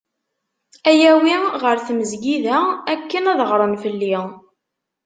Ad iyi-yawi ɣer tmezgida akken ad ɣren fell-i.